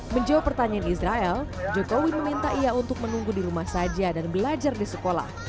menjawab pertanyaan israel jokowi meminta ia untuk menunggu di rumah saja dan belajar di sekolah